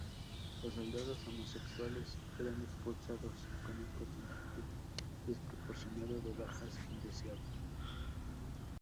Los soldados homosexuales eran expulsados con un porcentaje desproporcionado de bajas indeseables.